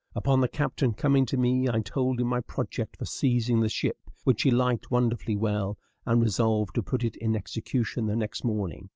Upon the captain coming to me, I told him my project for seizing the ship, which he liked wonderfully well, and resolved to put it in execution the next morning.